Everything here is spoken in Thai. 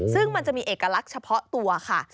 ซึ่งมันจะมีเอกลักษณ์เฉพาะตัวค่ะ